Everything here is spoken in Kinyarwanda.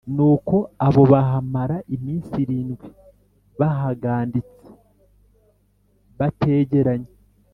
Nuko aho bahamara iminsi irindwi bahaganditse bategeranye